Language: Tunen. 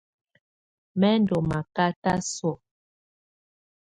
Mɛ ndɔ makata sɔ̀á.